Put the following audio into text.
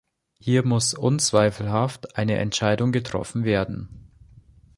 Hier muss unzweifelhaft eine Entscheidung getroffen werden.